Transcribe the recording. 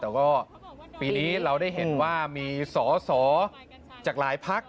แต่ก็ปีนี้เราได้เห็นว่ามีสอสอจากหลายพัก